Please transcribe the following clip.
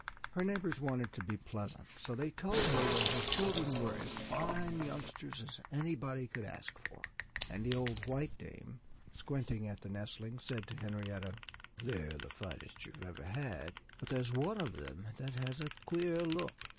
Her neighbors wanted to be pleasant. So they told her that her children were as fine youngsters as anybody could ask for. And the old white dame, squinting at the nestlings, said to Henrietta: "They're the finest you've ever had.... But there's one of them that has a queer look."